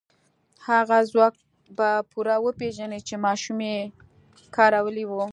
هغه ځواک به پوره وپېژنئ چې ماشومې کارولی و.